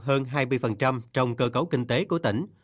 hơn hai mươi trong cơ cấu kinh tế của tỉnh